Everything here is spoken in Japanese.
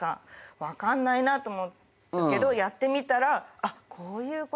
分かんないなと思ったけどやってみたらこういうことかとか。